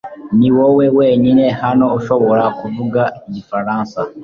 Niwowe wenyine hano ushobora kuvuga igifaransa